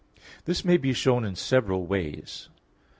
This may be shown in several ways.